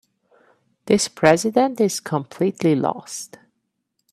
This president is completely lost.